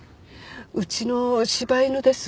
うちの柴犬です。